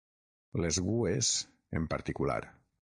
Les gúes, en particular.